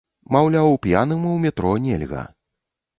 Маўляў, п'яным у метро нельга.